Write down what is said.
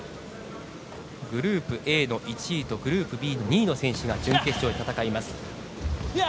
グループＡの１位とグループＢの２位の選手が戦います。